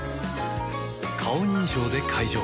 顔認証で解錠